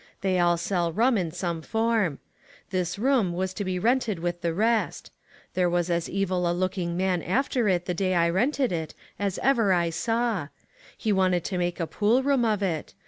They all sell ruin in some form. This room was to be rented with the rest. There was as evil a looking man after it the day I rented it as I ever saw. He wanted to make a pool room of it.